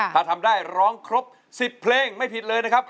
ถ้าทำได้ร้องครบ๑๐เพลงไม่ผิดเลยนะครับ